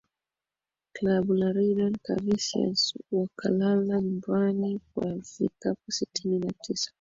klabu larian kavarias wakalala nyumbani kwa vikapu tisini na tisa